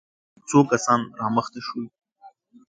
څو کسان را مخته شول.